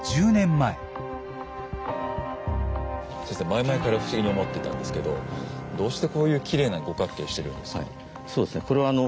実は前々から不思議に思ってたんですけどどうしてこういうきれいな五角形してるんですか？